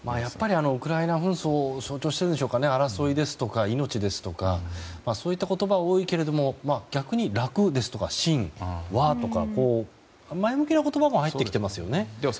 ウクライナ紛争を象徴しているんでしょうかね「争」ですとか「命」ですとかそういった言葉が多いけれども逆に「楽」ですとか「新」、「和」とか前向きな言葉も入ってきていますね。